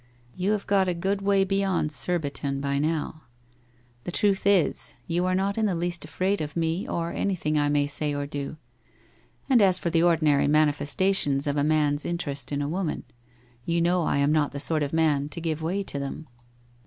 You have got a good way beyond Kurbifon by now. ... The truth is, you arc not in the least afraid of me, or anything I may ay or do. ... Ami as for the ordinary mani festations of .•' man's interest in a woman, you know r am not the sort of man to give way to them.